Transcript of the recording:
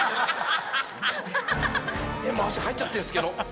えっもう足入っちゃってるんですけど。